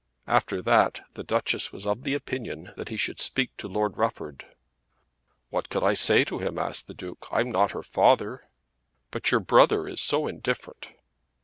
After that the Duchess was of opinion that he should speak to Lord Rufford. "What could I say to him?" asked the Duke. "I'm not her father." "But your brother is so indifferent."